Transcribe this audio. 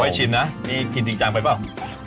เอาให้ชิมนะนี่ทิ้งจริงจังไปเปล่า